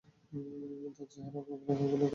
তার চেহারার রেখাগুলো তার সত্যতার কথা বলছে।